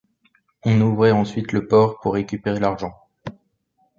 On ouvrait ensuite le porc pour récupérer l'argent.